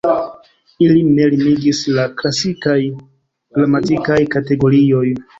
Ilin ne limigis la klasikaj gramatikaj kategorioj.